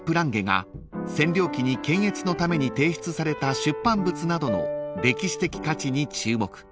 ［占領期に検閲のために提出された出版物などの歴史的価値に注目］